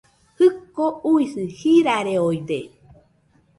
Jɨko uisɨ jirareoide